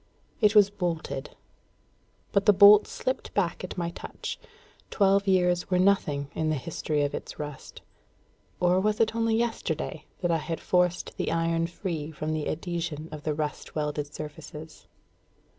It was bolted. But the bolt slipped back at my touch; twelve years were nothing in the history of its rust; or was it only yesterday I had forced the iron free from the adhesion of the rust welded surfaces?